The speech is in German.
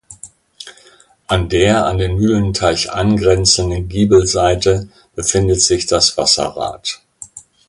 An der an den Mühlenteich angrenzenden Giebelseite befindet sich das Wasserrad.